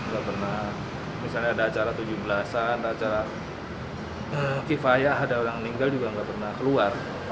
gak pernah misalnya ada acara tujuh belasan ada acara kifayah ada orang yang ninggal juga gak pernah keluar